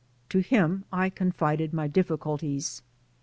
To him I con fided my difficulties.